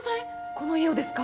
この家をですか！？